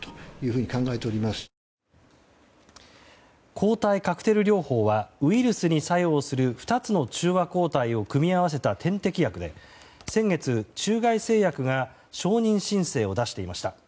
抗体カクテル療法はウイルスに作用する２つの中和抗体を組み合わせた点滴薬で先月、中外製薬が承認申請を出していました。